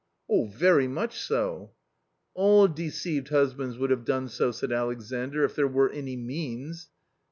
"" Very much so." " All deceived husbands would have done so," said Alex andr, " if there were any means."